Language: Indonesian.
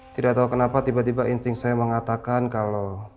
tidak tahu kenapa tiba tiba inti saya mengatakan kalau